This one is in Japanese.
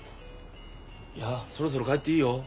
いやそろそろ帰っていいよ。